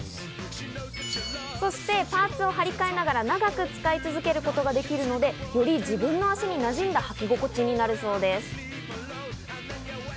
そしてパーツを張り替えながら、長く使い続けることができるので、より自分の足に馴染んだ履き心地になるそうです。